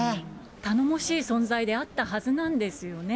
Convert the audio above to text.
頼もしい存在であったはずなんですよね。